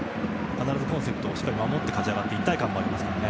必ずコンセプトを守って勝ち上がって一体感もありますからね